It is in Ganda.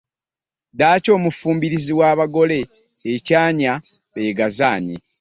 Ddaaki omufumbirizi awa abagole ekyanya beegazaanye.